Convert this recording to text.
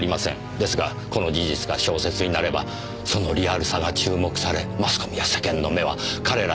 ですがこの事実が小説になればそのリアルさが注目されマスコミや世間の目は彼らに向くでしょう。